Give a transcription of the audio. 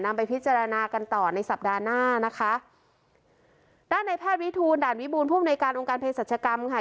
ไปพิจารณากันต่อในสัปดาห์หน้านะคะด้านในแพทย์วิทูลด่านวิบูรณภูมิในการองค์การเพศรัชกรรมค่ะ